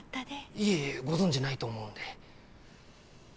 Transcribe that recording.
いやいやご存じないと思うんで。